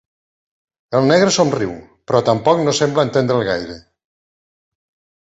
El negre somriu, però tampoc no sembla entendre'l gaire.